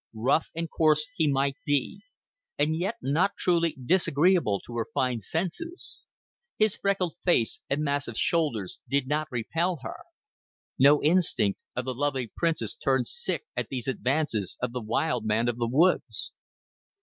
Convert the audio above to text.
Rough and coarse he might be, and yet not truly disagreeable to her fine senses; his freckled face and massive shoulders did not repel her; no instinct of the lovely princess turned sick at these advances of the wild man of the woods.